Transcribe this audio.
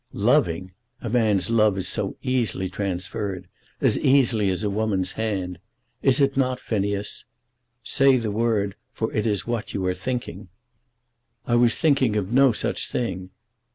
"Loving! A man's love is so easily transferred; as easily as a woman's hand; is it not, Phineas? Say the word, for it is what you are thinking." "I was thinking of no such thing."